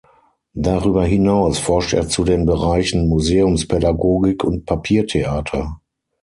Darüber hinaus forscht er zu den Bereichen Museumspädagogik und Papiertheater.